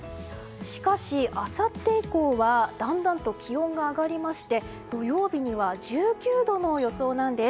しかし、あさって以降はだんだんと気温が上がりまして土曜日には１９度の予想なんです。